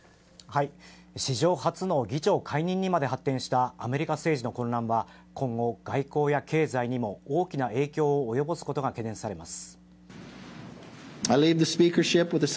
史上初の議長解任にまで発展したアメリカ政治の混乱は今後、外交や経済にも大きな影響を及ぼすことが懸念されます。